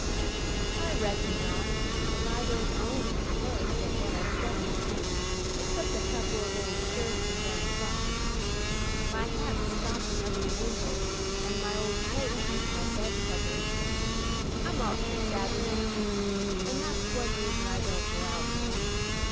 "I reckon not as I don't own any clothes but what I set in, except a couple of old shirts and them socks. My hat's stoppin' up the winder, and my old coat is my bed cover. I'm awful shabby, ma'am, and that's one reason I don't go out more.